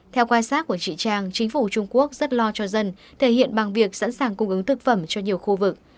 theo quan sát của chị trang chính phủ trung quốc rất lo cho dân thể hiện bằng việc sẵn sàng cung ứng thực phẩm cho nhiều khu vực